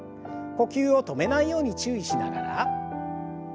呼吸を止めないように注意しながら。